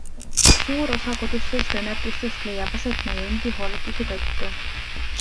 Suur osa kodustest õnnetustest leiab aset meie endi hooletuse tõttu.